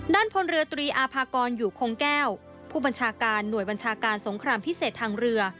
พลเรือตรีอาภากรอยู่คงแก้วผู้บัญชาการหน่วยบัญชาการสงครามพิเศษทางเรือ